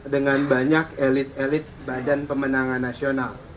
dengan banyak elit elit badan pemenangan nasional